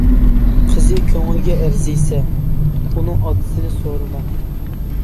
قىزى كۆڭۈلگە ئەرزىسە، ئۇنىڭ ئاتىسىنى سورىما.